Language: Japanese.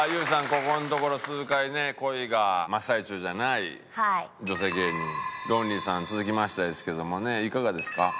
ここのところ数回ね恋が真っ最中じゃない女性芸人ロンリーさん続きましたですけどもねいかがですか？